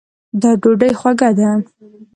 دا ډوډۍ خوږه ده